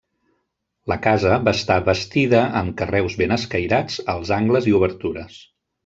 La casa va estar bastida amb carreus ben escairats als angles i obertures.